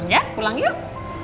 ya pulang yuk